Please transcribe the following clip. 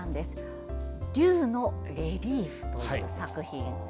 「龍のレリーフ」という作品。